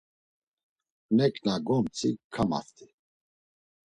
Neǩna gomtzi, kamaft̆i.